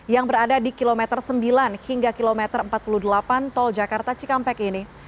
yang berada di kilometer sembilan hingga kilometer empat puluh delapan tol jakarta cikampek ini